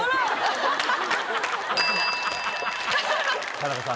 田中さん